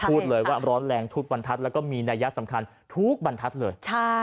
พูดเลยว่าร้อนแรงทุกบรรทัศน์แล้วก็มีนัยสำคัญทุกบรรทัศน์เลย